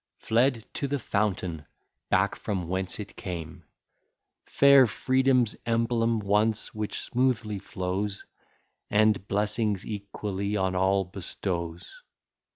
Fled to the fountain back, from whence it came! Fair Freedom's emblem once, which smoothly flows, And blessings equally on all bestows.